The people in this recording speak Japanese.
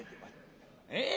ええ